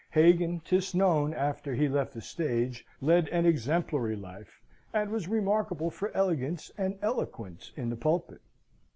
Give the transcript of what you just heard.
Hagan, 'tis known, after he left the stage, led an exemplary life, and was remarkable for elegance and eloquence in the pulpit.